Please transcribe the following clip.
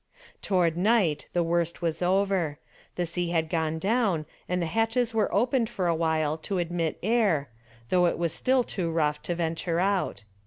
Toward night the worst was over. The sea had gone down and the hatches were opened for a while to admit air, though it was still too rough to venture out.